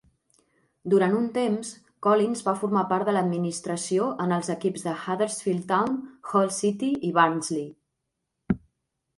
Durant un temps, Collins va formar part de l'administració en els equips de Huddersfield Town, Hull City i Barnsley.